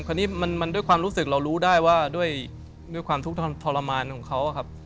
คราวนี้มันด้วยความรู้สึกเรารู้ได้ว่าด้วยความทุกข์ทรมานของเขาครับ